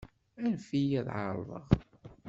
Anfet-iyi ad εerḍeɣ.